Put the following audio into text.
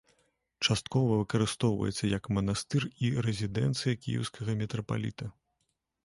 Часткова выкарыстоўваецца, як манастыр і рэзідэнцыя кіеўскага мітрапаліта.